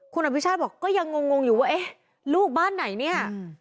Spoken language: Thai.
คุณอภิชาติบอกก็ยังงงอยู่ว่าเอ๊ะลูกบ้านไหนเนี่ย